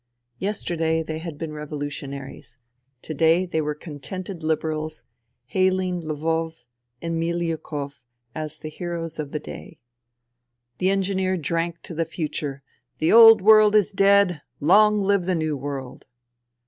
Yesterday they had been revolutionaries ; to day they were con tented Liberals, haihng Lvov and Miliukov as the heroes of the day. The engineer drank to the future :" The old world is dead : long live the new world